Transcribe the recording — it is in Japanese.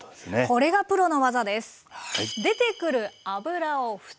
これがプロの技です！